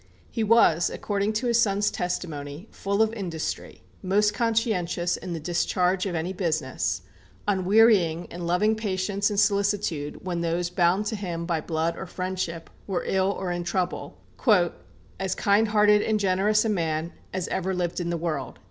He was, according to his son's testimony, full of industry, most conscientious in the discharge of any business, unwearying in loving patience and solicitude when those bound to him by blood or friendship were ill or in trouble, "as kind hearted and generous a man as ever lived in the world."